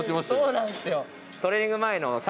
そうなんですよ。